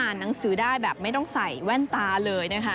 หนังสือได้แบบไม่ต้องใส่แว่นตาเลยนะคะ